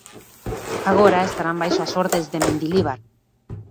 Agora estarán baixo as ordes de Mendilibar.